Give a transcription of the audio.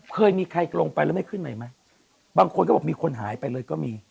เคยมีใครลงไปแล้วไม่ขึ้นใหม่ไหมบางคนก็บอกมีคนหายไปเลยก็มี